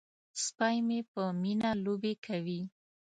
سپی مې په مینه لوبې کوي.